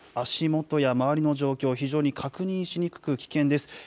足元や周りの状況、非常に確認しにくく、危険です。